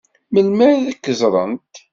Melmi ad k-ẓṛent?